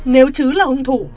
nếu trứ là hung thủ